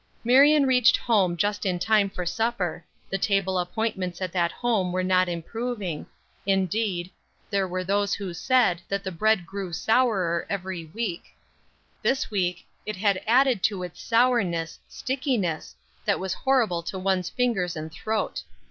Marion reached home just in time for supper; the table appointments at that home were not improving; indeed, there were those who said, that the bread grew sourer every week; this week, it had added to its sourness, stickiness, that was horrible to one's fingers and throat.